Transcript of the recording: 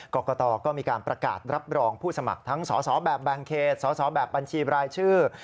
กรกตก็มีการประกาศรับรองผู้สมัครทั้งสสแบบแบ่งเขตสอสอแบบบัญชีบรายชื่อ